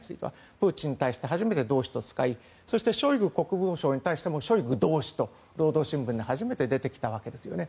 プーチンに対して初めて同志と使いショイグ国防相に対してもショイグ同志と労働新聞で初めて出てきたわけですよね。